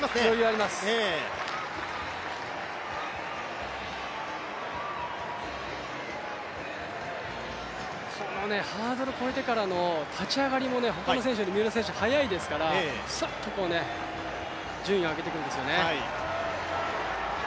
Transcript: このハードルを越えてからの立ち上がりも他の選手よりも三浦選手、はやいですからすーっとね順位を上げていくんですよね。